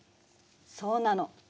そうなの。